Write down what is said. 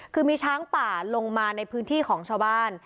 คือมีช้างป่าลงมาในพื้นที่ของชาวบ้าน